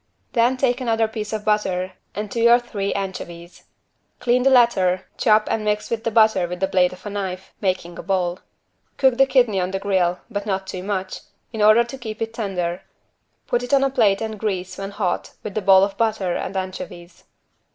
Then take another piece of butter and two or three anchovies. Clean the latter, chop and mix with the butter with the blade of a knife, making a ball. Cook the kidney on the grill, but not too much, in order to keep it tender, put it on a plate and grease when hot with the ball of butter and anchovies.